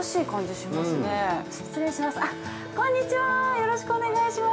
よろしくお願いします。